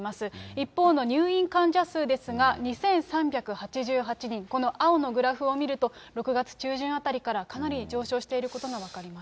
一方の入院患者数ですが、２３８８人、この青のグラフを見ると、６月中旬あたりからかなり上昇していることが分かります。